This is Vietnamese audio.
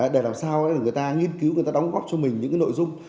để làm sao người ta nghiên cứu người ta đóng góp cho mình những nội dung